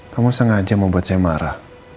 kamu sengaja mau buat saya marah